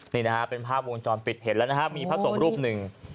นี่นะฮะเป็นภาพวงจรปิดเห็นแล้วนะฮะมีพระสงฆ์รูปหนึ่ง